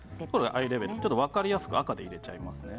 アイレベル、分かりやすく赤で入れちゃいますね。